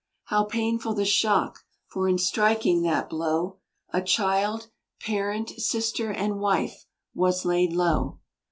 How painful the shock, for in striking that blow A child, parent, sister, and wife was laid low.